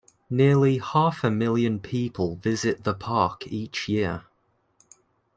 Nearly half a million people visit the park each year.